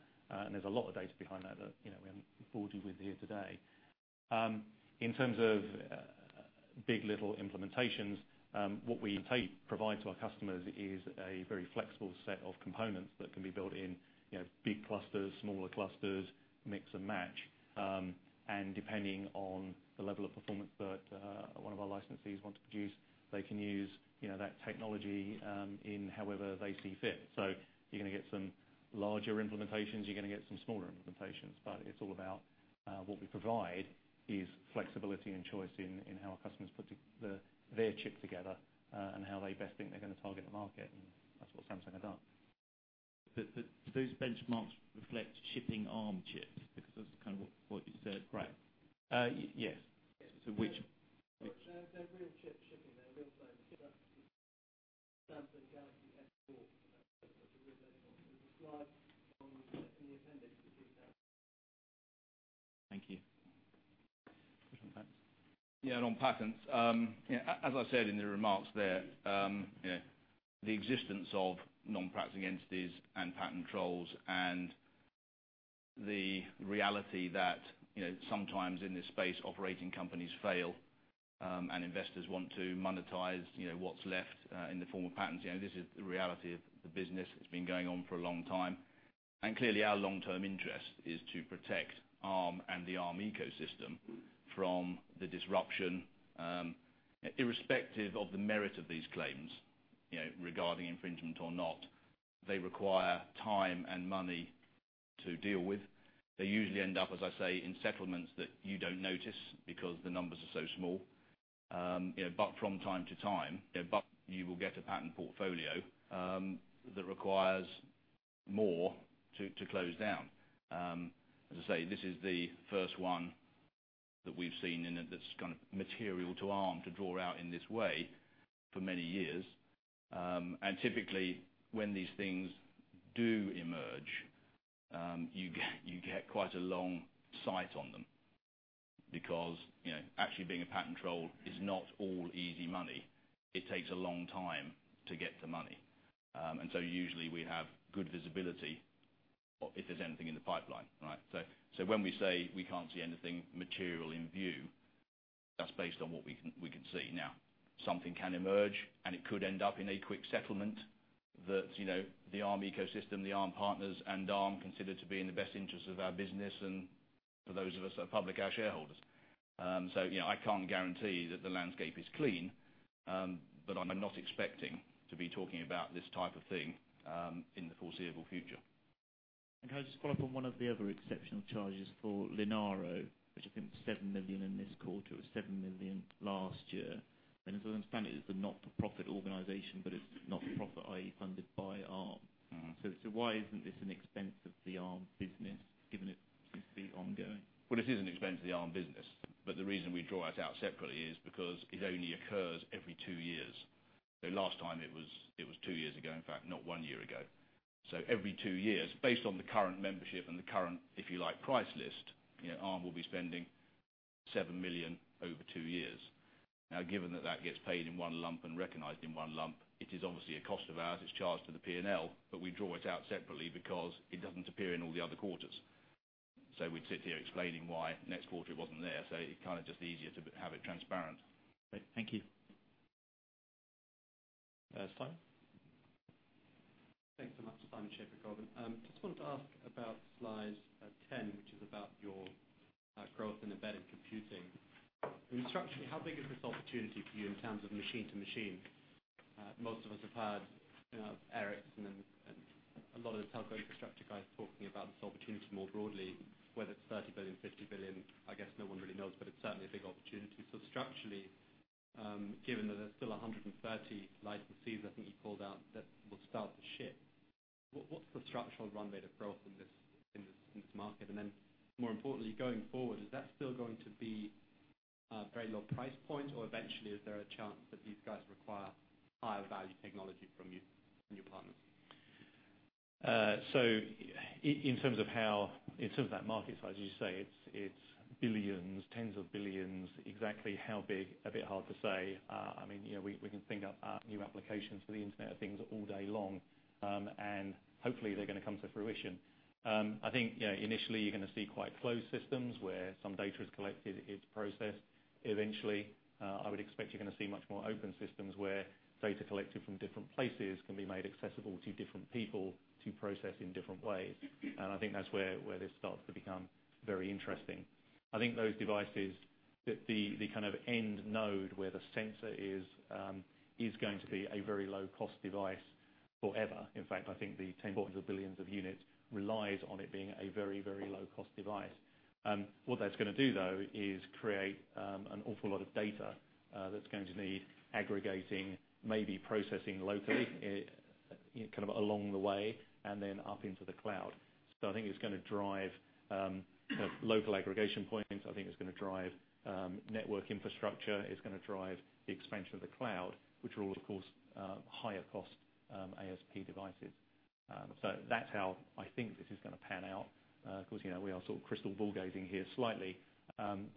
There's a lot of data behind that that we haven't bored you with here today. In terms of big. LITTLE implementations, what we provide to our customers is a very flexible set of components that can be built in big clusters, smaller clusters, mix and match. Depending on the level of performance that one of our licensees want to produce, they can use that technology in however they see fit. You're going to get some larger implementations. You're going to get some smaller implementations. It's all about what we provide is flexibility and choice in how our customers put their chip together, and how they best think they're going to target the market, and that's what Samsung have done. Those benchmarks reflect shipping Arm chips because that's kind of what you said, correct? Yes. So which- They're real chips shipping. They're real phones. Samsung Galaxy S4. There's a slide on in the appendix with details. Thank you. Questions at the back. Yeah, on patents. As I said in the remarks there, the existence of non-practicing entities and patent trolls and the reality that sometimes in this space, operating companies fail, and investors want to monetize what's left in the form of patents. This is the reality of the business. It's been going on for a long time. Clearly our long-term interest is to protect Arm and the Arm ecosystem from the disruption, irrespective of the merit of these claims regarding infringement or not. They require time and money to deal with. They usually end up, as I say, in settlements that you don't notice because the numbers are so small. From time to time, you will get a patent portfolio that requires more to close down. As I say, this is the first one that we've seen, and that's kind of material to Arm to draw out in this way for many years. Typically, when these things do emerge, you get quite a long sight on them because actually being a patent troll is not all easy money. It takes a long time to get the money. Usually we have good visibility if there's anything in the pipeline, right? When we say we can't see anything material in view, that's based on what we can see now. Something can emerge, and it could end up in a quick settlement that the Arm ecosystem, the Arm partners, and Arm consider to be in the best interest of our business and for those of us that are public, our shareholders. I can't guarantee that the landscape is clean, but I'm not expecting to be talking about this type of thing in the foreseeable future. Can I just follow up on one of the other exceptional charges for Linaro, which I think was seven million in this quarter, it was seven million last year. As I understand it's a not-for-profit organization, but it's not for profit, i.e., funded by Arm. Why isn't this an expense of the Arm business, given it seems to be ongoing? Well, it is an expense of the Arm business, but the reason we draw it out separately is because it only occurs every two years. Last time it was two years ago, in fact, not one year ago. Every two years, based on the current membership and the current, if you like, price list, Arm will be spending 7 million over 2 years. Given that that gets paid in one lump and recognized in one lump, it is obviously a cost of ours. It's charged to the P&L, but we draw it out separately because it doesn't appear in all the other quarters. We'd sit here explaining why next quarter it wasn't there. It's just easier to have it transparent. Great. Thank you. Simon? Thanks so much. Simon. I mean, structurally, how big is this opportunity for you in terms of machine to machine? Most of us have heard Ericsson and a lot of the telco infrastructure guys talking about this opportunity more broadly, whether it's 30 billion, 50 billion, I guess no one really knows, but it's certainly a big opportunity. Structurally, given that there's still 130 licensees, I think you called out that will start to ship. What's the structural runway to growth in this market? And then more importantly, going forward, is that still going to be a very low price point or eventually is there a chance that these guys require higher value technology from you and your partners? In terms of that market size, as you say, it's billions, GBP tens of billions. Exactly how big, a bit hard to say. We can think up new applications for the Internet of Things all day long, and hopefully they're going to come to fruition. I think initially you're going to see quite closed systems where some data is collected, it's processed. Eventually, I would expect you're going to see much more open systems where data collected from different places can be made accessible to different people to process in different ways. I think that's where this starts to become very interesting. I think those devices that the end node where the sensor is going to be a very low-cost device forever. In fact, I think the tens of billions of units relies on it being a very low-cost device. What that's going to do though is create an awful lot of data that's going to need aggregating, maybe processing locally, along the way, and then up into the cloud. I think it's going to drive local aggregation points, I think it's going to drive network infrastructure, it's going to drive the expansion of the cloud, which are all, of course, higher cost ASP devices. That's how I think this is going to pan out. Of course, we are all crystal ball gazing here slightly.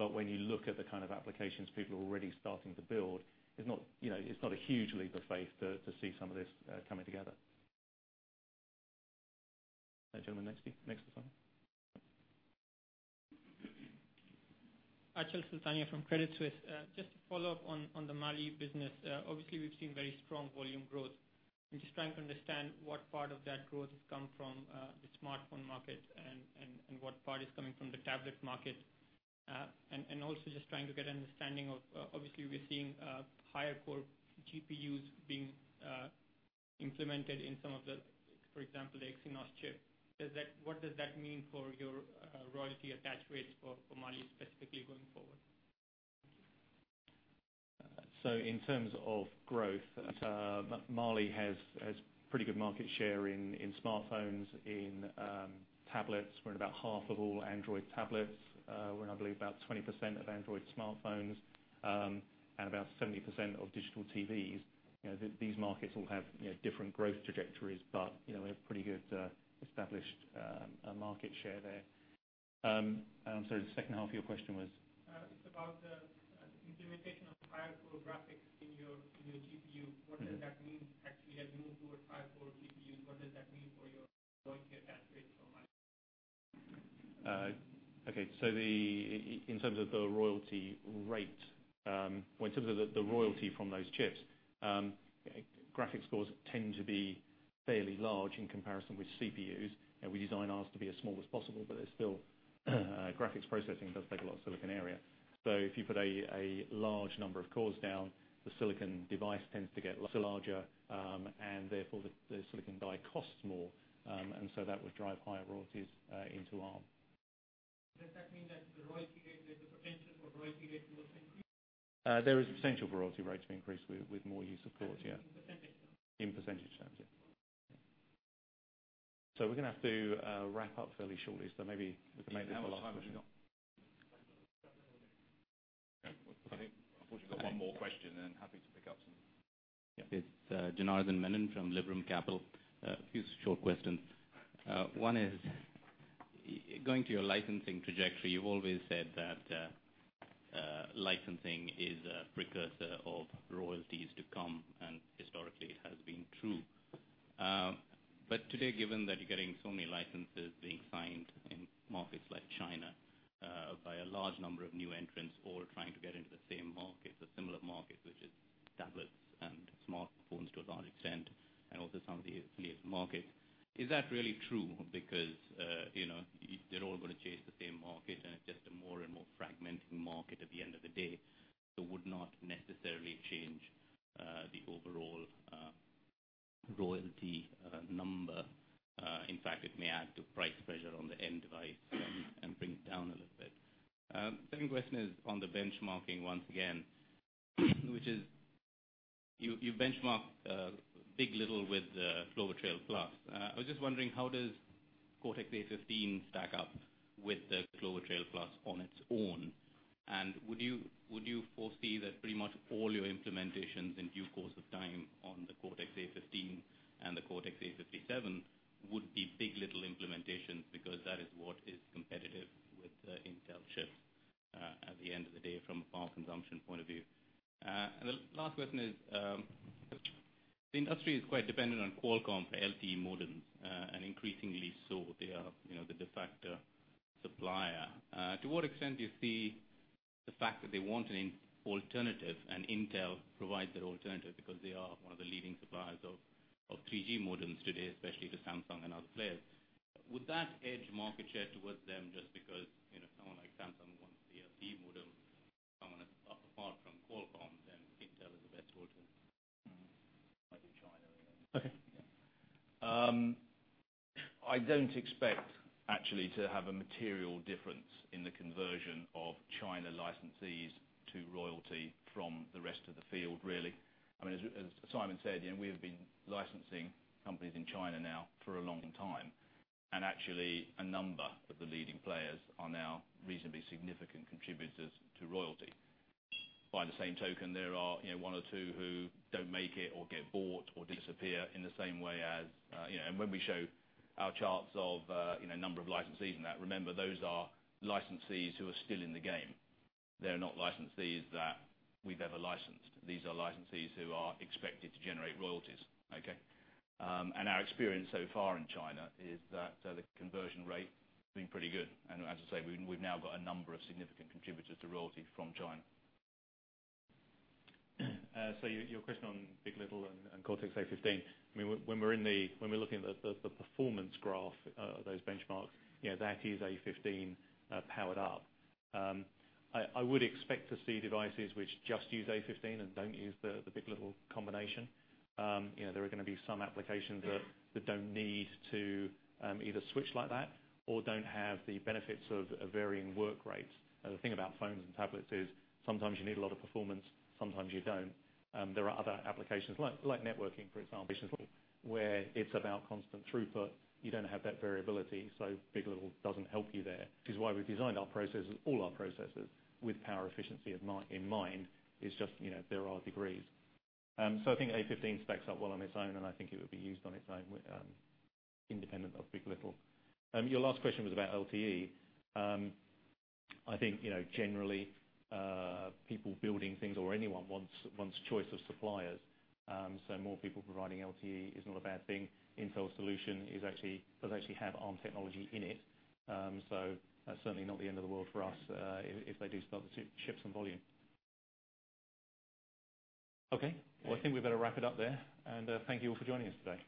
When you look at the kind of applications people are already starting to build, it's not a huge leap of faith to see some of this coming together. The gentleman next to Simon. Achal Sultania from Credit Suisse. Just to follow up on the Mali business. Obviously we've seen very strong volume growth. I'm just trying to understand what part of that growth has come from the smartphone market and what part is coming from the tablet market. Also just trying to get an understanding of, obviously we're seeing higher core GPUs being implemented in some of the, for example, the Exynos chip. What does that mean for your royalty attach rates for Mali specifically going forward? In terms of growth, Mali has pretty good market share in smartphones, in tablets. We're in about half of all Android tablets. We're in, I believe, about 20% of Android smartphones, and about 70% of digital TVs. These markets all have different growth trajectories, but we have pretty good established market share there. I'm sorry, the second half of your question was? It's about the implementation of higher core graphics in your GPU. What does that mean? Actually, as you move towards higher core GPUs, what does that mean for your royalty attach rates for Mali? Okay. In terms of the royalty from those chips, graphics cores tend to be fairly large in comparison with CPUs. We design ours to be as small as possible, graphics processing does take a lot of silicon area. If you put a large number of cores down, the silicon device tends to get larger, and therefore the silicon die costs more, and so that would drive higher royalties into Arm. Does that mean that there's a potential for royalty rates to increase? There is a potential for royalty rates to increase with more use of cores, yeah. In percentage terms. In percentage terms, yeah. We're going to have to wrap up fairly shortly, so maybe we can make this the last question. How much time have we got? I think unfortunately we've got one more question. It's Janardan Menon from Liberum Capital. A few short questions. One is going to your licensing trajectory. You've always said that licensing is a precursor of royalties to come. Historically it has been true. Today, given that you're getting so many licenses being signed in markets like China by a large number of new entrants all trying to get into the same market, the similar market, which is tablets and smartphones to a large extent. Does that mean that the royalty rate, there's a potential for royalty rates to increase? At the end of the day, from a power consumption point of view. The last question is, the industry is quite dependent on Qualcomm for LTE modems, and increasingly so. They are the de facto supplier. To what extent do you see the fact that they want an alternative, and Intel provides that alternative because they are one of the leading suppliers of 3G modems today, especially to Samsung and other players. Would that edge market share towards them just because someone like Samsung wants the LTE modem, someone apart from Qualcomm, Intel is the best alternative? I do China. Okay. I don't expect actually to have a material difference in the conversion of China licensees to royalty from the rest of the field, really. As Simon said, we have been licensing companies in China now for a long time, and actually a number of the leading players are now reasonably significant contributors to royalty. By the same token, there are one or two who don't make it or get bought or disappear in the same way as-- When we show our charts of number of licensees and that, remember, those are licensees who are still in the game. They're not licensees that we've ever licensed. These are licensees who are expected to generate royalties. Okay? Our experience so far in China is that the conversion rate has been pretty good. As I say, we've now got a number of significant contributors to royalty from China. Your question on big. LITTLE and Cortex-A15. When we're looking at the performance graph of those benchmarks, that is A15 powered up. I would expect to see devices which just use A15 and don't use the big. LITTLE combination. There are going to be some applications that don't need to either switch like that or don't have the benefits of varying work rates. The thing about phones and tablets is sometimes you need a lot of performance, sometimes you don't. There are other applications, like networking, for example, where it's about constant throughput. You don't have that variability, so big. LITTLE doesn't help you there. Which is why we've designed all our processors with power efficiency in mind. It's just there are degrees. I think A15 specs up well on its own, and I think it would be used on its own, independent of big. LITTLE. Your last question was about LTE. I think generally, people building things or anyone wants choice of suppliers. More people providing LTE is not a bad thing. Intel's solution does actually have Arm technology in it. That's certainly not the end of the world for us if they do start to ship some volume. Okay. Well, I think we better wrap it up there, and thank you all for joining us today.